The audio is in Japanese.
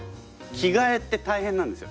着替えって大変なんですよ